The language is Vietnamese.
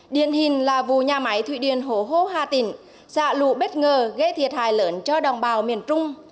điện hình là vụ nhà máy thụy điền hồ hô hà tịnh xạ lụ bất ngờ gây thiệt hại lớn cho đồng bào miền trung